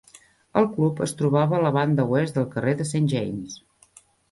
El club es trobava a la banda oest del carrer de Saint James.